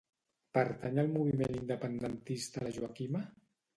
Pertany al moviment independentista la Joaquima?